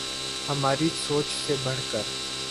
ہماری سوچ سے بڑھ کر